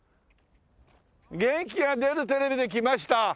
『元気が出るテレビ！！』で来ました